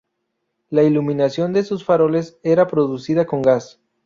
La iluminación de sus faroles era producida con gas.